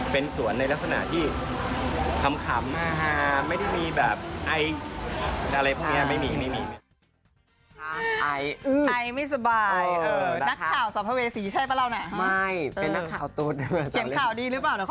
เป็นสวนในลักษณะที่ขำไม่ได้มีแบบไออะไรพวกนี้ไม่มีไม่มี